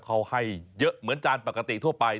เขาให้เยอะเหมือนจานปกติทั่วไป